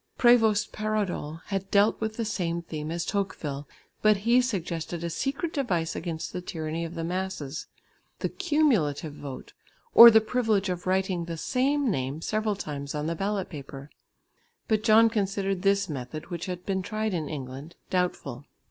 Prévost Paradol had dealt with the same theme as Tocqueville, but he suggested a secret device against the tyranny of the masses the cumulative vote or the privilege of writing the same name several times on the ballot paper. But John considered this method, which had been tried in England, doubtful.